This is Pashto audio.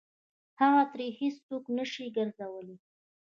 هغه ترې هېڅ څوک نه شي ګرځولی.